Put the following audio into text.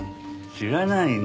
知らないの？